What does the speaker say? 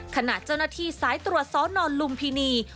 ขณะเจ้าหน้าที่สายตรวจสนลุมพินี